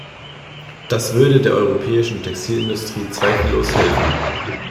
Das würde der europäischen Textilindustrie zweifellos helfen.